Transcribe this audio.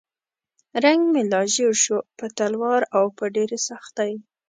رنګ مې لا ژیړ شو په تلوار او په ډېرې سختۍ.